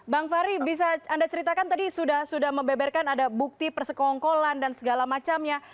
bang fahri bisa anda ceritakan tadi sudah membeberkan ada bukti persekongkolan dan segala macamnya